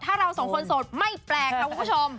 ถ้าเราสองคนโสดไม่แปลกค่ะคุณผู้ชม